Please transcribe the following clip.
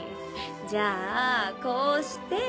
じゃあこうして。